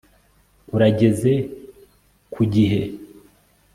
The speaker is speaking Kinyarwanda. Urageze ku gihe